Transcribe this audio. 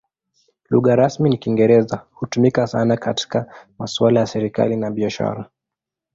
Lugha rasmi ni Kiingereza; hutumika sana katika masuala ya serikali na biashara.